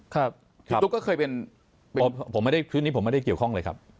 คือตุ๊กก็เคยเป็นผมไม่ได้พื้นนี้ผมไม่ได้เกี่ยวข้องเลยครับ